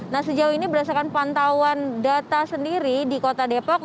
nah sejauh ini berdasarkan pantauan data sendiri di kota depok